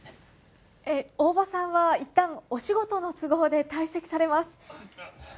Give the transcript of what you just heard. えー大庭さんはいったんお仕事の都合で退席されます。